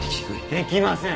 できません！